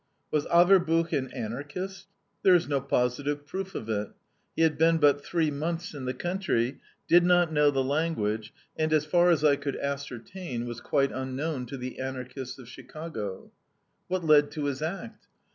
Was Averbuch an Anarchist? There is no positive proof of it. He had been but three months in the country, did not know the language, and, as far as I could ascertain, was quite unknown to the Anarchists of Chicago. What led to his act?